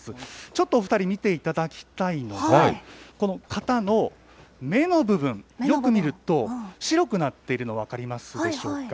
ちょっとお２人、見ていただきたいのが、この型の目の部分、よく見ると白くなっているの、分かりますでしょうか。